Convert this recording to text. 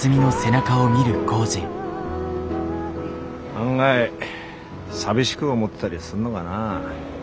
案外寂しく思ってたりすんのがな。